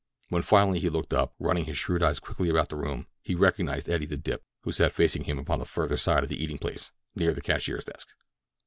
When finally he looked up, running his shrewd eyes quickly about the room, he recognized Eddie the Dip, who sat facing him upon the farther side of the eating place, near the cashier's desk.